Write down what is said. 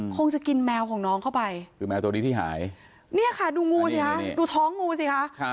คงจะกินแมวของน้องเข้าไปคือแมวตัวนี้ที่หายเนี่ยค่ะดูงูสิคะดูท้องงูสิคะ